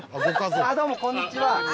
どうもこんにちは。